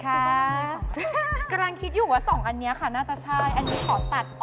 อ้าวแล้ว๓อย่างนี้แบบไหนราคาถูกที่สุด